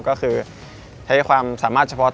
ก็คือใช้ความสามารถเฉพาะ